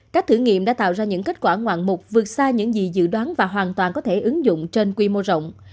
các thử nghiệm đã tạo ra những kết quả ngoạn mục vượt xa những gì dự đoán và hoàn toàn có thể ứng dụng trên quy mô rộng